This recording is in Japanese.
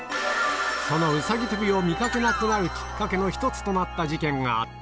そのうさぎ跳びを見かけなくなるきっかけの一つとなった事件があった。